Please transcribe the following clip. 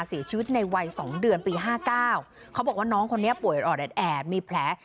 เสียชีวิตในวัย๒เดือนปี๕๙เขาบอกว่าน้องคนนี้ป่วยอ่อแดดแอบมีแผล